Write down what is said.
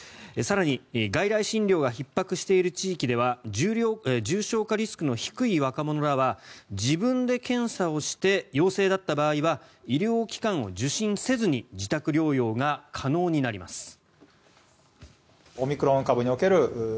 更に、外来診療がひっ迫している地域では重症化リスクの低い若者らは自分で検査をして陽性だった場合は医療機関を受診せずに自宅療養が可能になります。